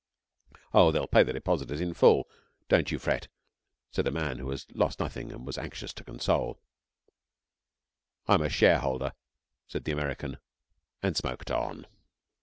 'Oh, they'll pay the depositors in full. Don't you fret,' said a man who had lost nothing and was anxious to console. 'I'm a shareholder,' said the American, and smoked on.